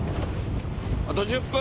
あと１０分！